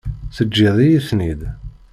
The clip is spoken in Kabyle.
Teǧǧiḍ-iyi-ten-id.